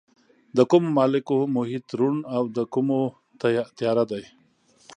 د کومو مالګو محیط روڼ او د کومو تیاره دی؟